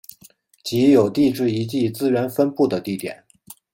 即有地质遗迹资源分布的地点。